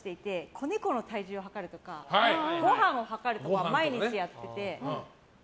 結構、保護活動をしていて子猫の体重を量るとかごはんを量るとか毎日やってて。